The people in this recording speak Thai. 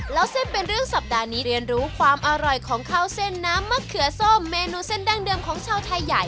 แล้วเส้นเป็นเรื่องสัปดาห์นี้เรียนรู้ความอร่อยของข้าวเส้นน้ำมะเขือส้มเมนูเส้นดั้งเดิมของชาวไทยใหญ่